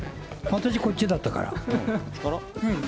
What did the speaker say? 私こっちだったから。